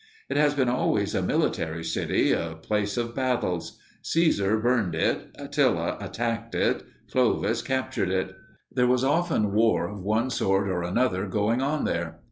It has been always a military city, a place of battles. Cæsar burned it, Attila attacked it, Clovis captured it there was often war of one sort or another going on there.